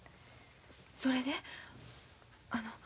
それで？